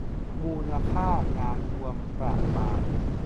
มูลค่างานรวมประมาณ